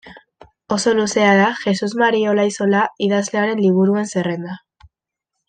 Oso luzea da Jesus Mari Olaizola idazlearen liburuen zerrenda.